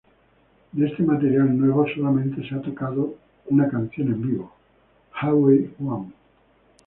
De este material nuevo solamente se ha tocado una canción en vivo, "Highway One".